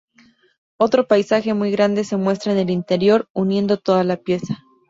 Otro paisaje muy grande se muestra en el interior, uniendo toda la pieza.